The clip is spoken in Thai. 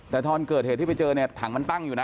แต่ตอนเกิดเหตุที่ไปเจอเนี่ยถังมันตั้งอยู่นะ